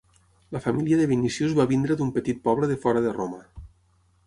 La família de Vinicius va venir d'un petit poble de fora de Roma.